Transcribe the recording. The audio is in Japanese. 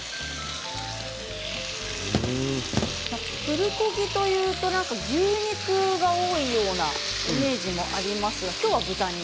プルコギというと牛肉が多いようなイメージもあります。